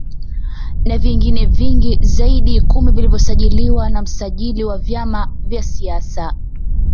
Na vingine vingi zaidi ya kumi vilivyosajiliwa na msajili wa vyama vaya siasa